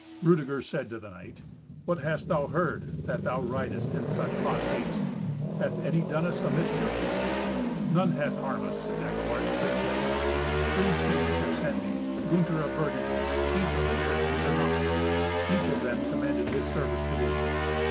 Rudeger said to the knight, "What hast thou heard, that thou ridest in such hot haste? Hath any done us a mischief?" "None hath harmed us," said Eckewart straightway. "Three kings have sent me: Gunther of Burgundy, Giselher, and Gernot. Each of them commended his service to thee.